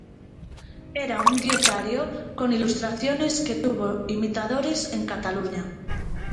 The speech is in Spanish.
Era un dietario con ilustraciones que tuvo imitadores en Cataluña.